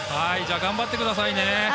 頑張ってくださいね。